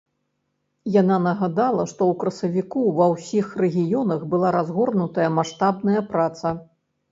Яна нагадала, што ў красавіку ва ўсіх рэгіёнах была разгорнутая маштабная праца.